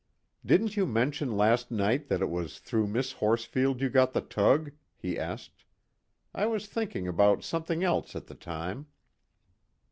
"Didn't you mention last night that it was through Miss Horsfield you got the tug?" he asked. "I was thinking about something else at the time."